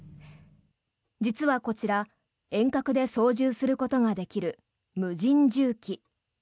実はこちら遠隔で操縦することができる無人重機。